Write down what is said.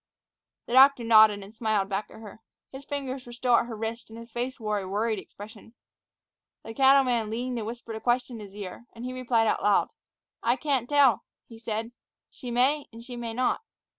The doctor nodded, and smiled back at her. His fingers were still at her wrist, and his face wore a worried expression. The cattleman leaned and whispered a question in his ear, and he replied out loud. "I can't tell," he said. "She may and she may not."